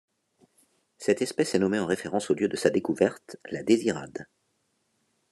Cette espèce est nommée en référence au lieu de sa découverte, La Désirade.